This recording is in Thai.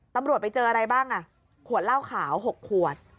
ตำรวจไปเจออะไรบ้างน่ะขวดล่าวขาว๖ขวด